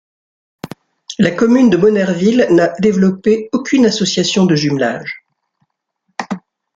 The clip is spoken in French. La commune de Monnerville n'a développé aucune association de jumelage.